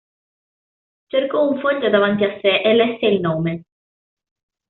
Cercò un foglio davanti a sé e lesse il nome.